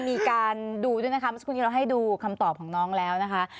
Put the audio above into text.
มีการดูด้วยนะคะเมื่อสักครู่นี้เราให้ดูคำตอบของน้องแล้วนะคะ